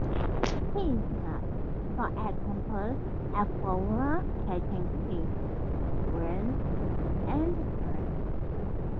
He is not, for example, a fowler catching pigeons in the forest.